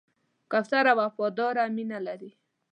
کوتره وفاداره مینه لري.